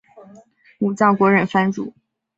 武藏国忍藩主。